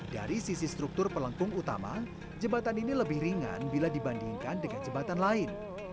dari sisi struktur pelengkung utama jembatan ini lebih ringan bila dibandingkan dengan jembatan lain